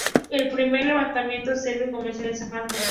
El Primer Levantamiento Serbio comenzó en el Sanjacado.